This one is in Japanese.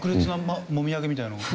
もみあげみたいなの。